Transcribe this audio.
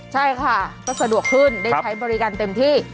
ใช่ค่ะก็สะดวกขึ้นได้ใช้บริการเต็มที่